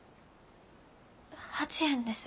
８円です。